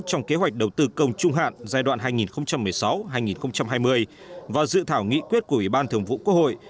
trong kế hoạch đầu tư công trung hạn giai đoạn hai nghìn một mươi sáu hai nghìn hai mươi và dự thảo nghị quyết của ủy ban thường vụ quốc hội